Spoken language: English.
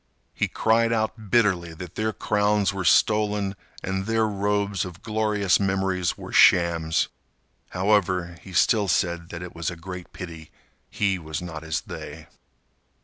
He cried out bitterly that their crowns were stolen and their robes of glorious memories were shams. However, he still said that it was a great pity he was not as they.